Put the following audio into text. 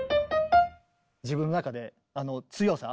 自分の中で強さ。